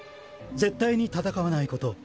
絶対に戦わないこと。